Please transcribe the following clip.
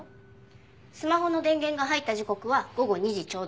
スマホの電源が入った時刻は午後２時ちょうど。